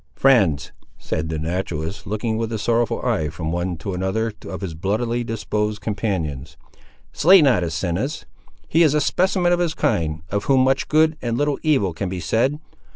"Friends," said the naturalist, looking with a sorrowful eye from one to another of his bloodily disposed companions, "slay not Asinus; he is a specimen of his kind, of whom much good and little evil can be said.